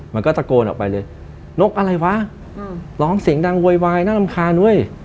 มันก็ตะโกนออกไปเลยนกอะไรวะร้องเสียงดังโวยวายน่ารำคาญเว้ย